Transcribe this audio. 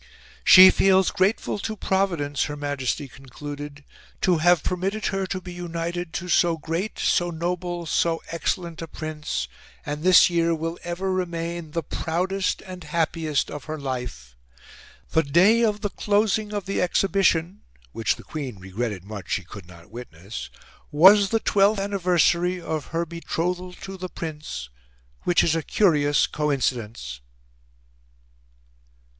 "She feels grateful to Providence," Her Majesty concluded, "to have permitted her to be united to so great, so noble, so excellent a Prince, and this year will ever remain the proudest and happiest of her life. The day of the closing of the Exhibition (which the Queen regretted much she could not witness), was the twelfth anniversary of her betrothal to the Prince, which is a curious coincidence."